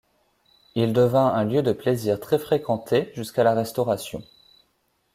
Il devint un lieu de plaisir très fréquenté jusqu’à la restauration.